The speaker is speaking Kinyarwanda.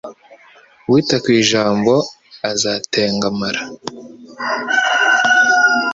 Uwita ku ijambo azatengamara